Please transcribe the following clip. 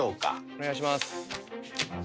お願いします。